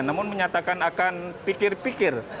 namun menyatakan akan pikir pikir